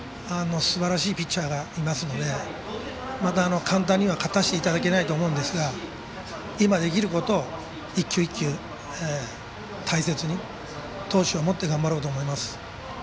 すばらしいピッチャーがいますのでまた、簡単には勝たせていただけないと思うんですが、今できることを一球一球、大切に闘志を持って頑張ろうと思います。